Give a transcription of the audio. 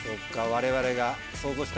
我々が。